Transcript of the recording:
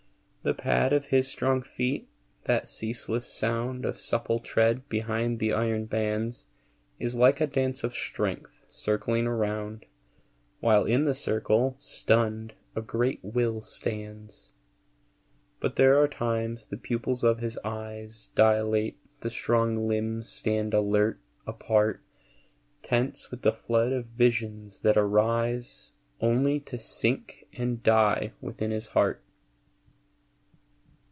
The pad of his strong feet, that ceaseless sound Of supple tread behind the iron bands, Is like a dance of strength circling around, While in the circle, stunned, a great will stands. But there are times the pupils of his eyes Dilate, the strong limbs stand alert, apart, Tense with the flood of visions that arise Only to sink and die within his heart.